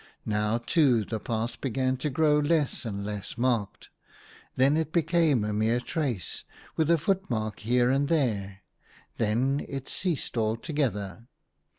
Now too the path began to grow less and less marked ; then it became a mere trace, with a foot mark here and there ; then it ceased alto gether.